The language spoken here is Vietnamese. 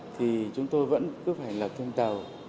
thì chúng tôi vẫn cứ phải lật thêm tàu